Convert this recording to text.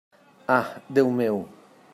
Ah, Déu meu!